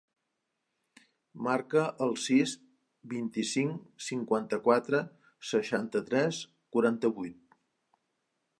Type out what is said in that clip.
Marca el sis, vint-i-cinc, cinquanta-quatre, seixanta-tres, quaranta-vuit.